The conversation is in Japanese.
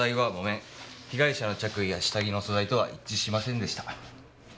被害者の着衣や下着の素材とは一致しませんでした。